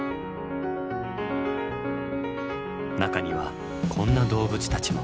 中にはこんな動物たちも。